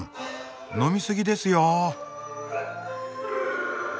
飲み過ぎですよ！